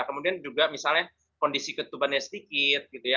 kemudian juga misalnya kondisi ketubannya sedikit gitu ya